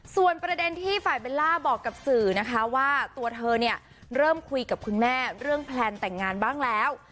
ส่วนประเด็นที่ฝ่ายเบลล่าบอกกับสื่อนะคะว่าตัวเธอเนี่ยเริ่มคุยกับคุณแม่เรื่องแพลนแต่งงานบ้างแล้ว